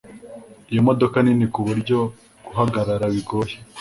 Iyo modoka nini kuburyo guhagarara bigoye.